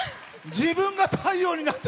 自分が太陽になって！